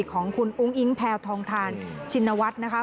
ของคุณอุ้งอิงแพทองทานชินวัฒน์นะคะ